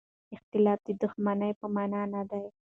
اختلاف د دښمنۍ په مانا نه دی.